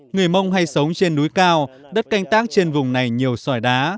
người mông hay sống trên núi cao đất canh tác trên vùng này nhiều sỏi đá